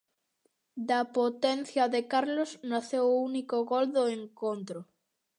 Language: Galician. Da potencia de Carlos naceu o único gol do encontro.